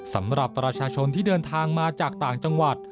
สำหรับประชาชนที่เดินทางมาจากต่างจังหวัด